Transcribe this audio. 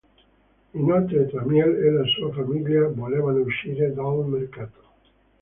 Inoltre Tramiel e la sua famiglia volevano uscire dal mercato.